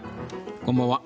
こんばんは。